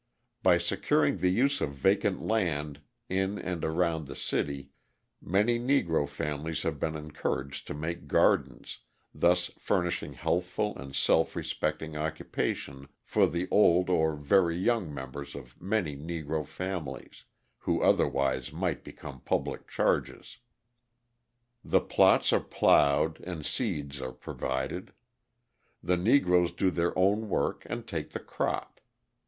By securing the use of vacant land in and around the city many Negro families have been encouraged to make gardens, thus furnishing healthful and self respecting occupation for the old or very young members of many Negro families, who otherwise might become public charges. The plots are ploughed and seeds are provided: the Negroes do their own work and take the crop.